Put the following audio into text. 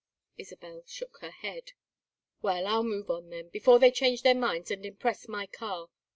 Isabel shook her head. "Well, I'll move on then before they change their minds and impress my car.